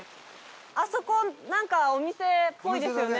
あそこなんかお店っぽいですよね？